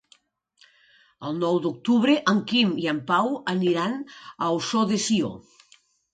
El nou d'octubre en Quim i en Pau aniran a Ossó de Sió.